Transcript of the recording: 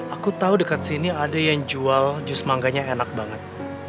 aku tahu dekat sini ada yang jual jus mangganya enak banget